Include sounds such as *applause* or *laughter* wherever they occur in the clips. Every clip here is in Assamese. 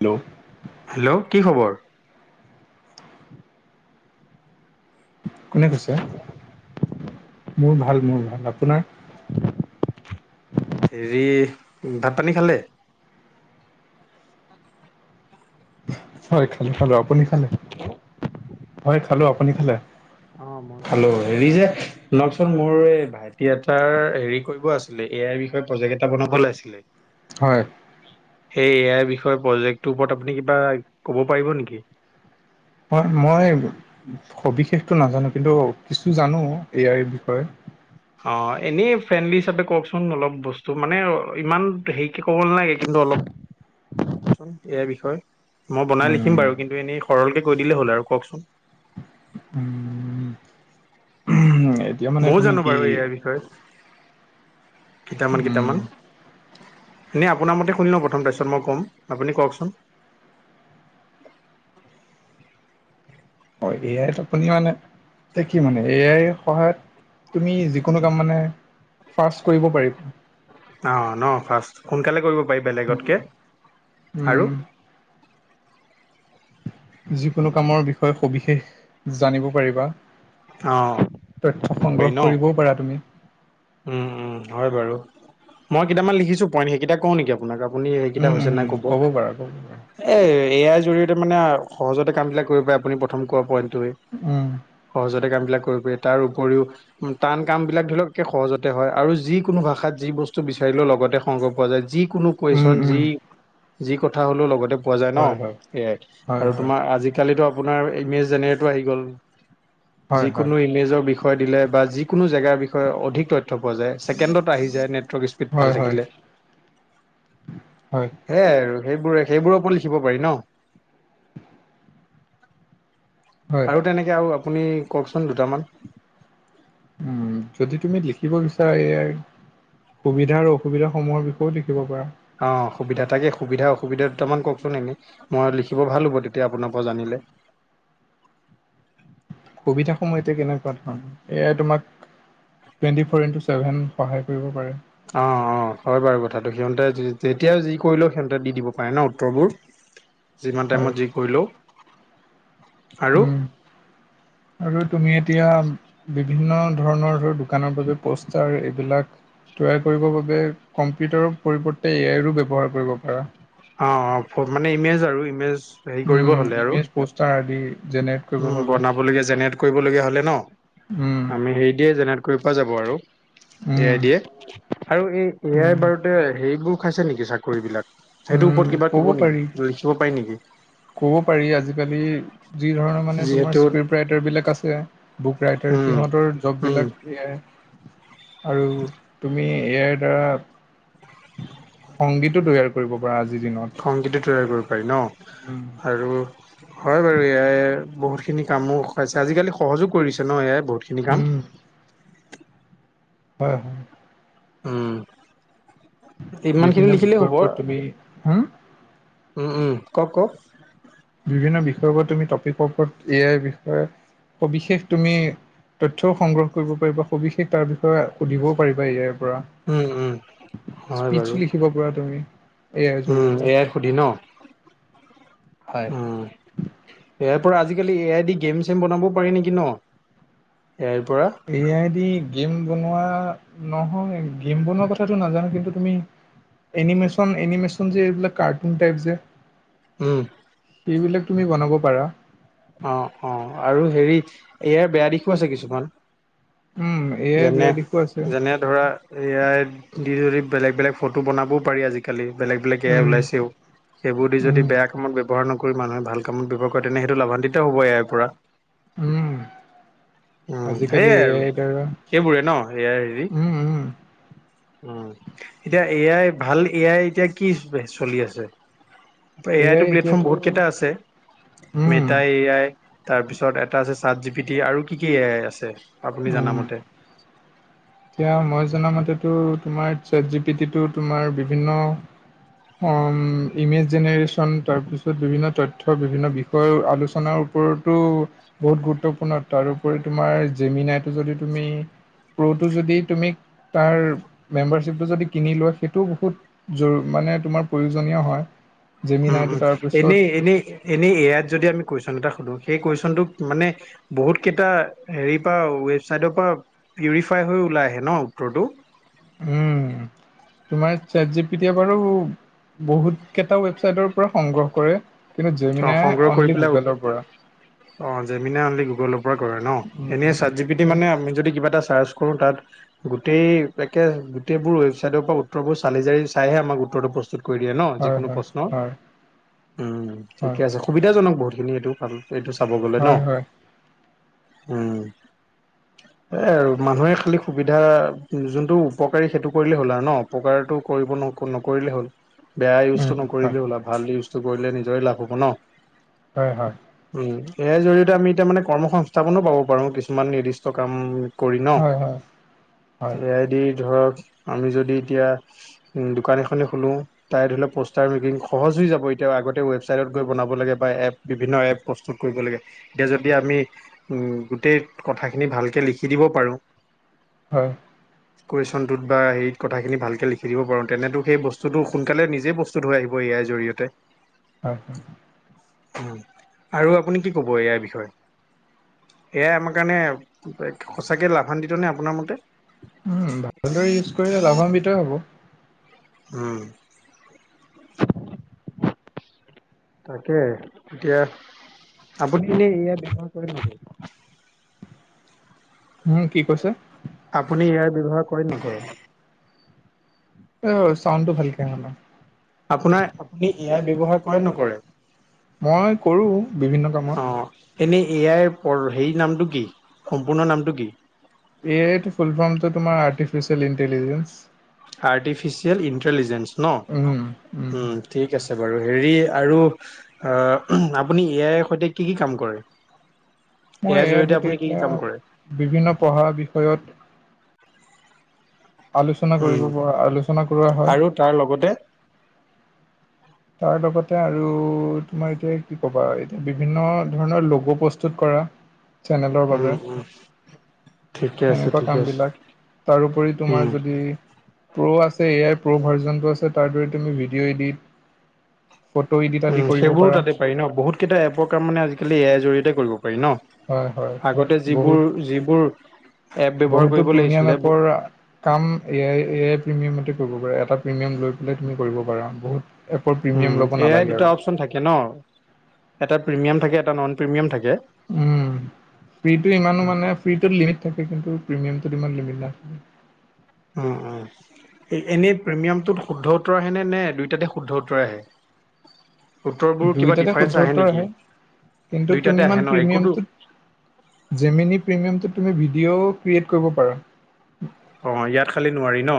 হেল্ল' হেল্ল' কি খবৰ? কোনে কৈছে? মোৰ ভাল মোৰ ভাল। আপোনাৰ? হেৰী ভাত পানী খালে? হয় খালো খালো। আপুনি খালে? হয় খালো। আপুনি খালে? অ মই খালো। হেৰি যে শুনকচোন মোৰ এই ভা ভাইটি এটাৰ হেৰী কৰিব আছিলে। এ আইৰ বিষয়ে প্ৰজেক্ট এটা বনাবলে আছিলে। হয়। সেই এ আই বিষয়ে প্ৰজেক্টটোৰ ওপৰত আপুনি কিবা ক'ব পাৰিব নেকি? হয়, মই সবিশেষটো নাজানো। কিন্তু কিছু জানো এ আই বিষয়ে। অ' এনেই ফ্ৰেণ্ডলি হিচাপে কওকচোন অলপ বস্তু মানে ইমান হেৰিকে ক'ব নালাগে। কিন্তু অলপ- এই আই বিষয়ে। মই বনাই লিখিম উম বাৰু কিন্তু এনেই সৰলকে কৈ দিলেই হ'ল আৰু কওকচোন? উমঁ'। *unintelligible* মইয়ো জানোঁ কি বাৰু এই আই বিষয়ে কেইটামান উম কেইটামান। এনেই আপোনাৰ মতে শুনি লওঁ প্ৰথম তাৰপিছত মই ক'ম। আপুনি কওঁকচোন? হ‌য়, এ আইত আপুনি মানে- এ কি মানে, এ আই সহায়ত তুমি যিকোনো কাম মানে- ফাৰ্ষ্ট কৰিব পাৰিবা। অ' ন' ফাৰ্ষ্ট সোনকালে কৰিব পাৰি বেলেগতকৈ উম আৰু। যিকোনো কামৰ বিষয়ে সবিশেষ জানিব পাৰিবা। অ তথ্য পাৰি সংগ্ৰহ ন কৰিবও পাৰা তুমি। উম' উম' হয় বাৰু, মই কেইটামান লিখিছো পইণ্ট সেইকেইটা কওঁ নেকি আ আপোনাক, আপুনি সেইকেইটা উম হৈছে উম নাই ক'ব। পাৰা ক'ব পাৰা এই এ আইৰ জৰিয়তে মানে সহজতে কামবিলাক কৰিব পাৰে। আপুনি প্ৰথম কোৱা পইণ্টোৱে। উমঁ'। সহজতে কাম বিলাক কৰিব পাৰি। তাৰ উপৰিও টান কাম বিলাক ধৰি লওক- এক সহজতে হয় আৰু যিকোনো ভাষাত যি বস্তু বিচাৰিলেও লগতে সংগ পোৱা যায়। যিকোনো- উম, *unintelligible* উম, যি যি কথা হ'লেও লগতে পোৱা যায় ন' হয়, হয়, সেয়াই হয়, আৰু হয়, তোমাৰ আজি আজিকালিটো আপোনাৰ ইমেজ জেনেটো আহি গ'ল হয়, হয়, যিকোনো ইমেজৰ বিষয়ে - বিষয় দিলে বা যিকোনো জেগাৰ বিষয়ে- অধিক তথ্য পোৱা যায়। ছেকেণ্ডত আহি যায় নেটৱৰ্ক স্পীড হয়, ভাল হয়, থাকিলে। হয়। সেয়াই আৰু সেইবোৰে, সেইবোৰৰ ওপৰত লিখিব পাৰি ন। হয়, আৰু তেনেকৈ আৰু আপুনি কওকচোন দুটামান? উম' যদি তুমি লিখিব বিচাৰা এ আইত- সুবিধা আৰু অসুবিধাসূহৰ বিষয়েও লিখিব পাৰা। অ' সুবিধা তাকে, সুবিধা অসুবিধা দুটামান কওকচোন এনেই? মই লিখিব ভাল হ'ব তেতিয়া আপোনাৰ পৰা জানিলে। সুবিধা সমূহ এতিয়া কেনেকুৱা ধৰণৰ এ আই তোমাক টুৱেন্টি ফ'ৰ ইণ্টু ছেভেন সহায় কৰিব পাৰে। অ' অ' হয় বাৰু কথাটো, সিহঁতে যেতিয়া যি কৰিলেও সিহঁতে দি দিব পাৰে ন উত্তৰবোৰ। যিমান হয়, টাইমত যি কৰিলেওঁ। উম'। *unintelligible* আৰু তুমি এতিয়া বিভিন্ন ধৰণৰ ধৰ দোকানৰ বাবে পোষ্টাৰ এইবিলাক- তৈয়াৰ কৰিব বাবে কম্পিউটাৰৰ পৰিৱৰ্তে এ আইৰো ব্যৱহাৰ কৰিব পাৰা। অঁ অঁ' মানে ইমেজ আৰু ইমেজ। হেৰি কৰিব উমঁ' ইমেজ পচতা আদি। জেনেৰেট কৰিবৰ উমঁ' বাবে বনাবলগীয়া জেনেৰেট কৰিবলগীয়া হ'লে উম, ন' আমি হেৰি দিয়ে কৰিব পৰা যাব আৰু এ উম। আই দিয়ে আৰু বাৰুতে সেৰিবোৰ- খাইছে নেকি চাকৰি বিলাক, সেইটোৰ উম ওপৰত কিবা ক'ব পাৰি নেকি লিখিব পায় নেকি। ক'ব পাৰি আজিকালি যি ধৰণৰ মানে তোমাৰ যিহেতু স্ক্ৰিপট ৰাইটাৰ বিলাক আছে, বুক ৰাইটাৰ উম সিহঁতৰ জব উম বিলাক এয়াৰ আৰু তুমি এয়াৰ দ্বাৰা। সংগীতো তৈয়াৰ কৰিব পাৰা আজিৰ দিনত। সংগীটো তৈয়াৰ কৰিব পাৰি ন উম আৰু- হয়ঁ বাৰু এয়াই বহুতখিনি কামোয়ো আজিকালি সহযোগ কৰি দিছে ন এতিয়াই বহুতখিনি কাম- উম হয়ঁ হয়ঁ! উমঁ ইমানখিনি বিভিন্ন লিখিলেই বিষয়ৰ হ'ব। ওপৰত তুমি হম উমঁ উমঁ কওক কওক। বিভিন্ন বিষয়ৰওৰত তুমি টপিকৰ ওপৰত এয়াই বিষয়ে সোবিষে তুমি- তথ্যও সংগ্ৰহ কৰিব পাৰিবা সবিশেষ তাৰ বিষয়ে সুধিবও পাৰিবা এ আই পৰা। উম উম হয় স্পিচ বাৰু লিখিব পাৰা তুমি এ আই উম এ জৰিয়তে- আইত সুধি ন হয় উমঁ। এয়াৰ পৰা আজিকালি এ আই ডি গেম চেম বনাব পাৰি নেকি ন এ আইৰ পৰা। এ আই দি গেম বনোৱা নহয় গেম বনোৱা কথাটো নাজানো কিন্তু তুমি- এনিমেশ্যন এনিমেশ্যন যে এইবিলাক কাৰ্টুন টাইপ যে- উমঁ! এইবিলাক তুমি বনাব পাৰা। অঁ অঁ আৰু হেৰি এয়াৰ বেয়া দিশো আছে কিছুমান। উম এ আই যেনে বেয়া দিশো আছে যেনেত। ধৰা এ আই দি যদি বেলেগ বেলেগ ফটো বনাবও পাৰি আজিকালি- কালি বেলেগ বেলেগ এয়াই উম ওলাইছেও সেইবোৰ দি যদি উম বেয়া কামত ব্যৱহাৰ নকৰি মানুহে ভাল- কামত ব্যৱাৰ কৰে তেনে সেইটো লাভান্বিত হ'ব ইয়াৰ পৰা। উম উমঁ আজিকালি সেইয়াই এ আৰু আইৰ দ্বাৰা সেইবোৰে ন এ আই দি। উম উম উমঁ এতিয়া এ আই ভাল এ আই এতিয়া কি চলি আছে? এ আই তো প্লেটফৰ্ম বহুত কেইটা আছে উম মিটাই এ আই- তাৰপিছত এটা আছে চাত জি বি টি আৰু কি কি আছে আপুনি জনামতে। এতিয়া মই জামতেতো তোমাৰ চাত জি পি টিটো তোমাৰ বিভিন্ন- অউ ইমেজ জেনেৰেশচন তাৰ পিছত বিভিন্ন তথ্য বিভিন্ন বিষয়- কোৰ আলোচনাৰ ওপৰতো- বহুত গুৰুত্বপূৰ্ণ তাৰোপৰি তোমাৰ জেমিনাইটো যদি তুমি- এটো যদি তুমি তাৰ মেম্বাৰশ্বিপটো যদি কিনি লোৱা সেইটো বহুত- যোৰ মানে তোমাৰ প্ৰয়োজনীয় হয়ঁ। উমঁ উমঁ এনেই এনেই এনেই এআই যদি আমি কুৱেশ্যন এটা সোধোঁ সেই কুৱেশ্যনটোক মানে- বহুত কেইটা হেৰি পৰা ৱেবচাইটৰ পৰা পিউৰিফাই হৈ ওলাই আহে ন উত্তৰটো। উমঁ তোমাৰ চেটজি পিতিটো বাৰু- বহুত কেইটা ৱেবচাইটৰ পৰা সংগ্ৰহ কৰে কিন্তু অ জেমিনাই অনলি গুগলৰ পৰা। অঁ জেল গুগৰ পৰা কৰে ন এনে মানে আমি যদি কিবা এটা চাচ- কোনো তাত- গোটেই পেকেজ গোটেইবোৰ ৱেবচাইটৰ পৰা উত্তৰবোৰ চালি জাৰি চাইহে আম উতৰ প্ৰস্তু। প্ৰস্তুত কৰি দিয়ে ন হয় যিকোনো হয় প্ৰশ্ন হয় হয় উমঁ হয় ঠিকে আছে সুবিধাজনক বহুতখিনি এইটো কাম। এইটো চাব গ'লে ন হয় হয় উমঁ। এই আৰু মানুহে খালি সুবিধা যোনটো উপকাৰী সেইটো কৰিলে হ'ল আৰু ন। উপকাৰটো কৰিব ন নকৰিলেই হ'ল। বেয়া ইউজটো উম, হয়, নকৰিলে ওল ভাল ইউজটো কৰিলে নিজৰে লাভ হ'ব ন। হয়ঁ হয়ঁ উম, এআই জৰিয়তে আমি এতিয়া মানে কৰ্ম সংস্থাপনো পাব পাৰো কিছুমান নিৰ্দিষ্ট কাম কৰি ন হয়, হয়, হয়, এয়াই দি ধৰক আমি যদি এতিয়া দোকান এনে খোলো তাই ধৰি লও পোষ্টাৰ মেকিং সহজ হৈ যাব এতিয়া আগতে ৱেবছ চাইদত গৈ বনাব লাগে বা এপ বিভিন্ন এপ প্ৰস্তুত কৰিব লাগে এতিয়া যদি আমি গোটেই কথাখিনি ভালকৈ লিখি দিব পাৰোঁ। হয়। কুৱেশনটোত বা হেৰিত কথাখিনি ভালকে লিখি দিব পাৰোঁ তেনেতো সেই বস্তুতটো সোনকালে নিজে বস্ত ধৰা হৈ আহিব ইয়াৰ জৰিয়তে। হয়। আৰু আপুনি কি ক'ব এ আইৰ বিষয়ে? এ আই আমাৰ কাৰণে সঁচাকৈ লাভান্বিতনে আপোনাৰ মতে? উম, ভালদৰে ইউজ কৰিলে লাভান্বিতই হ'ব। উম, তাকে এতিয়া আপুনি এনেই এইয়া ব্যৱহাৰ কৰে নে নকৰে? উম, কি কৈছে? আপুনি ইয়াৰ ব্যৱহাৰ কৰে নকৰে? অ, চাউণ্ডটো ভালকে অহা নাই? আপোনাৰ আপুনি এ আই ব্যয়ৱহাৰ কৰে নকৰে? মই কৰোঁ বিভিন্ন কামত। অ' এনেই এ আইৰ প হেৰি নামটো কি সম্পূৰ্ণ নামটো কি? এ আই টো ফুল ফৰ্মটো তোমাৰ আৰ্টিফিচিয়েল ইণ্টেলিজেঞ্চ। আৰ্টিফিচিয়েল ইণ্টেলিজেন্ঞ্চ ন উম, ঠিক আছে বাৰু হেৰি আৰু আপুনি এ আইৰ সৈতে কি-কি কাম কৰে? এ মই আইৰ জৰিয়তে সৈতে আপুনি কি - কি এতিয়া কাম কৰে? বিভিন্ন পঢ়া বিষয়ত আলোচনা উম, কৰিব পৰা আলোচনা কৰোৱা হয়। আৰু তাৰ লগতে তাৰ লগতে আৰু তোমাৰ এতিয়া কি ক'বা এতিয়া বিভিন্ন ধৰণৰ লঘো প্ৰস্তুত কৰা চেনেলৰ উম বাবে - উম। ঠিকে আছে, সেনেকুৱা ঠিকে আছে। কামবিলাক তাৰোপৰি উম, তোমাৰ যদি প্ৰ' আছে এ আই প্ৰ' ভাৰ্জনটো আছে তাৰ দৰে তুমি ভিডিঅ' ইডিট ফটো ইদিত উম, সেইবোৰো তাতে পাৰি ন বহুত কেইটা এপৰ কাম মানে আজিকালি এয়াৰ জৰিয়তে কৰিব পাৰি হয় হয় ন। হয় আগতে যিবোৰ বহুত - যিবোৰ এপ ব্যৱহাৰ বহুতো কৰিব প্ৰিমিয়াম লাগিছিলে। এপৰ কাম এ আই - এ আই প্ৰিমিয়ামতে কৰিব পাৰা এটা প্ৰিমিয়াম লৈ পেলাই তুমি কৰিব পাৰা বহুত এপৰ প্ৰিমিয়াম ল'ব এয়াই নালাগে দুটা আৰু অপচন থাকে ন এটা প্ৰিমিয়াম থাকে এটা নন প্ৰিমিয়াম থাকে। উম, পি তোৰ ইমানো উম, মানে পি লিমিট থাকে কিন্তু প্ৰিমিয়াম ইমানো লিমিত নাথাকে। উম-উম। এই এনেই প্ৰিমিয়ামটোত শুদ্ধ উত্তৰ আহেনে নে দুয়োটাতে শুদ্ধ উত্তৰ আহে? উত্তৰবোৰ কিবা দুইটাতে ডিফাৰেঞ্চ সোধৰ উওৰ নেকি? আহে কিন্তু দুইটাতে তুমি আহে ইমান ন একোতো প্ৰিমিয়ামটোত জিমিনী প্ৰিমিয়ামটোত তুমি ভিডিঅ' ক্ৰিয়েট কৰিব পাৰা। অ, ইয়াত খালি নোৱাৰি ন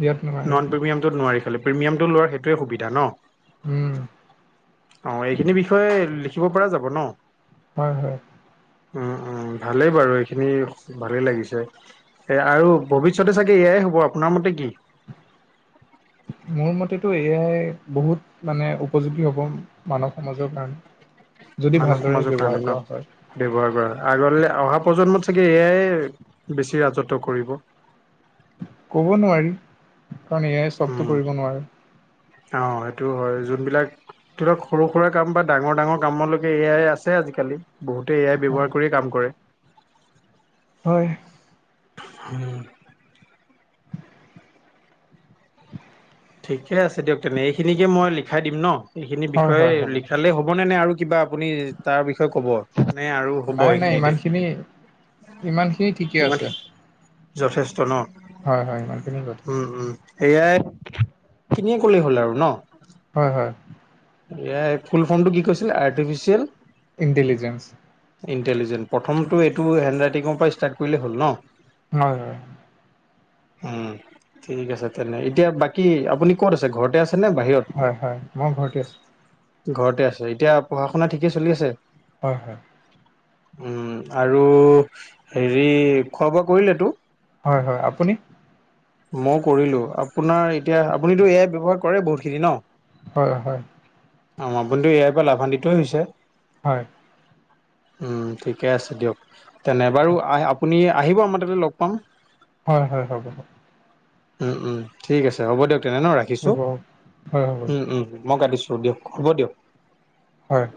দিয়াত নোৱাৰে নন প্ৰিমিয়াম নোৱাৰি খালি প্ৰিমিয়ামটো লোৱাৰ সেইটো সুবিধা ন। উম অ, এইখিনি বিষয়ে লিখিব পৰা যাব ন? হয়, হয়। উম, উম, ভালেই বাৰু, এইখিনি ভালেই লাগিছে, সে আৰু ভৱিষ্যতে চাগে এ আই হ'ব, আপোনাৰ মতে কি? মোৰ মতেতো এ আই বহুত মানে উপযোগী হ'ব মানৱ সমাজৰ কাৰণে। যদি মানৱ ভালদৰে সমাজৰ ব্যৱহাৰ কাৰণে ন? কৰা হয় ব্যৱহাৰ কৰা, আগলে অহা প্ৰজন্মত চাগে এ আই বেছি ৰাজত্ব কৰিব। কব নোৱাৰি, কাৰণ এ আই চবটো উম কৰিব নোৱাৰে। অ', সেইটো হয়, যোনবিলাক ধৰক সৰু সুৰা কাম বা ডাঙৰ ডাঙৰ কামলৈকে এ আই আছে আজিকালি। বহুতে এ আই ব্যৱহাৰ কৰিয়ে কাম কৰে। হয়। উম। ঠিকে আছে দিয়ক, তেনে এইখিনিকে মই লিখাই দিম ন? এইখিনি হয় বিষয়ে হয় হ'ব লিখালে হ'বনে নে আৰু কিবা আপুনি তাৰ বিষয়ে ক'ব? মানে আৰু হব নাই নাই এইখিনিতে, ইমানখিনি ইমানখিনি ঠিকে কিমান আছে যথেষ্ট ন? হয়, হয়, ইমানখিনিয়ে যথেষ্ট। A I. খিনিয়ে ক'লেই হ'ল আৰু ন? হয়, হয়। এ আই ফুল ফৰ্মটো কি কৈছিলে? Artificial intelligence. ইণ্টেলিজেণ্ট, প্ৰথমটো এইটো হেণ্ড ৰাইটিঙৰ পৰা ষ্টাৰ্ট কৰিলে হ'ল ন? হয়, হয়। *inaudible* উম, ঠিক আছে তেনে, এতিয়া বাকী আপুনি ক'ত আছে ঘৰতে আছেনে বাহিৰত? হয়, হয়, মই ঘৰতে আছোঁ। ঘৰতে আছে, এতিয়া পঢ়া শুনা ঠিকে চলি আছে? হয়, হয়। উম আৰু হেৰি খোৱা বোৱা কৰিলেতো? হয়, হয়, আপুনি? মই কৰিলো, আপোনাৰ এতিয়া আপুনিতো এ আই ব্যৱহাৰ কৰে বহুতখিনি ন? হয়, হয়। অ', আপুনিতো এ আই পৰা লাভান্বিতই হৈছে? হয়। উম ঠিকে আছে দিয়ক, তেনে বাৰু আহ আপুনি আহিব আমাৰ তাতে লগ পাম। হয়, হয়, হব, হব। উম, উম, ঠিক আছে, হ'ব দিয়ক তেনে ন, ৰাখিছোঁ, হ'ব হয় হ'ব উম, উম, মই কাটিছোঁ দিয়ক। হ'ব দিয়ক। হয়।